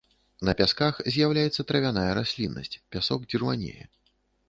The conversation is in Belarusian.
На пясках з'яўляецца травяная расліннасць, пясок дзірванее.